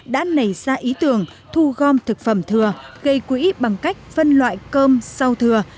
đã nảy ra ý tưởng thu gom thực phẩm thừa gây quỹ bằng cách phân loại cơm sau thừa